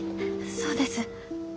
そうです。